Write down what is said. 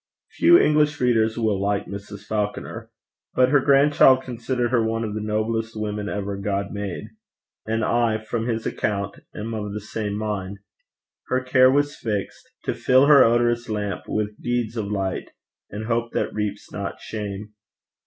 Few English readers will like Mrs. Falconer; but her grandchild considered her one of the noblest women ever God made; and I, from his account, am of the same mind. Her care was fixed To fill her odorous lamp with deeds of light, And hope that reaps not shame.